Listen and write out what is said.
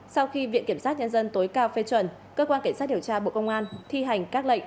sau khi viện kiểm sát nhân dân tối cao phê chuẩn cơ quan cảnh sát điều tra bộ công an thi hành các lệnh